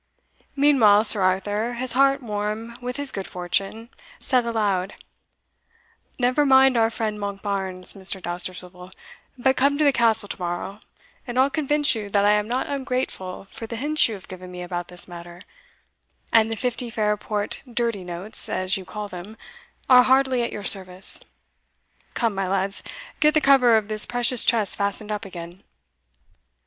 Meanwhile Sir Arthur, his heart warm with his good fortune, said aloud, "Never mind our friend Monkbarns, Mr. Dousterswivel, but come to the Castle to morrow, and I'll convince you that I am not ungrateful for the hints you have given me about this matter and the fifty Fairport dirty notes, as you call them, are heartily at your service. Come, my lads, get the cover of this precious chest fastened up again."